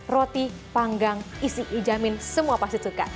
roti panggang isi ijamin semua pasti suka